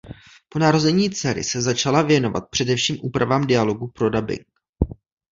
Po narození dcery se začala věnovat především úpravám dialogů pro dabing.